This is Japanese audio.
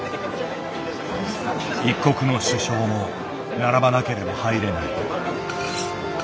一国の首相も並ばなければ入れない。